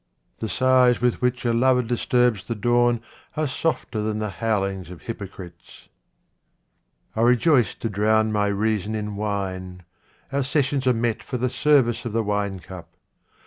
The sighs with which a lover dis turbs the dawn are softer than the howlings of hypocrites. I rejoice to drown my reason in wine : our sessions are met for the service of the wine cup.